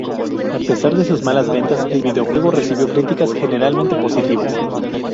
A pesar de sus malas ventas, el videojuego recibió críticas generalmente positivas.